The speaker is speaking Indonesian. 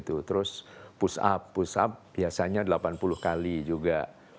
terus push up push up biasanya delapan puluh kali juga